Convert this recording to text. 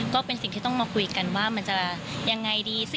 ก็เป็นสิ่งที่ต้องมาคุยกันว่ามันจะยังไงดีสิ